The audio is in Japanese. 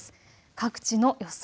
各地の予想